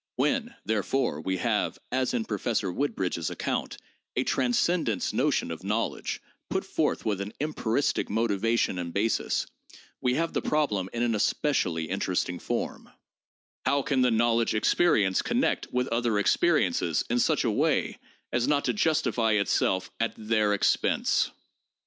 When, therefore, we have, as in Professor "Woodbridge's account, a 'transcendence' notion of knowledge put forth with an empiristic motivation and basis, we have the problem in an especially interesting form: How can the knowledge experience connect with other experiences in such a way as not to justify itself at their expense?